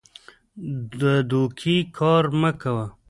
د دوکې کار مه کوه.